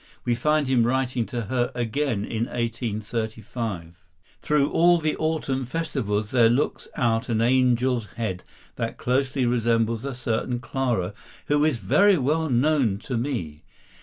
We find him writing to her again in 1835: "Through all the Autumn festivals there looks out an angel's head that closely resembles a certain Clara who is very well known to me."